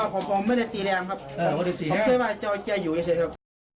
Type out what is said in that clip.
ผมไม่ได้ตีแรงก็เพื่อว่าเจอไอ้เจ้าอยู่อย่างเดียว